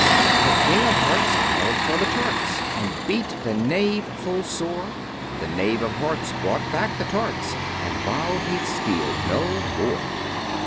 The King of Hearts called for the tarts, And beat the Knave full sore; The Knave of Hearts brought back the tarts, And vowed he'd steal no more.